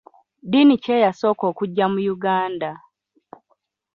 Ddiini ki eyasooka okujja mu Uganda?